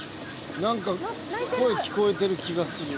なんか声聞こえてる気がする。